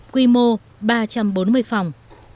quy mô ba trăm bốn mươi phòng